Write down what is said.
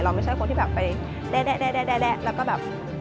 เราไม่ใช่คนที่แบบไปเอะ